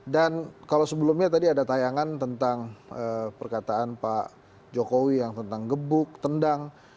dan kalau sebelumnya tadi ada tayangan tentang perkataan pak jokowi yang tentang gebuk tendang